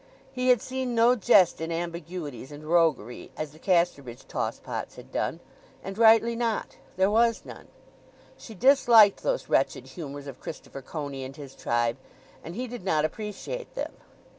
He had seen no jest in ambiguities and roguery, as the Casterbridge toss pots had done; and rightly not—there was none. She disliked those wretched humours of Christopher Coney and his tribe; and he did not appreciate them.